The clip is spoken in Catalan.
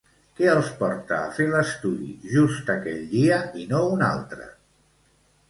Què els porta a fer l'estudi just aquell dia i no un altre?